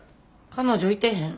彼女いてへん。